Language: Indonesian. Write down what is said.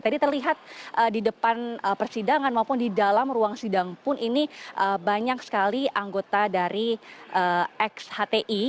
tadi terlihat di depan persidangan maupun di dalam ruang sidang pun ini banyak sekali anggota dari xhti